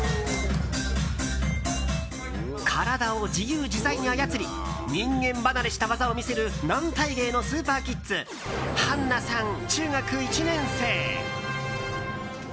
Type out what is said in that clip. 体を自由自在に操り人間離れした技を見せる軟体芸のスーパーキッズはんなさん、中学１年生。